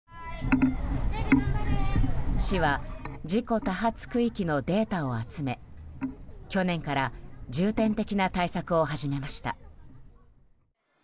市は事故多発区域のデータを集め去年から重点的な対策を始めました。